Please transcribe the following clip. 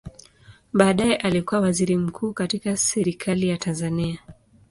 Baadaye alikua waziri mzuri katika Serikali ya Tanzania.